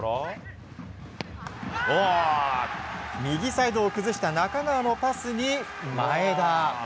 右サイドを崩した仲川のパスに前田。